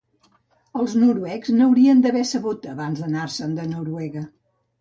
Els noruecs n'haurien d'haver sabut abans d'anar-se'n de Noruega.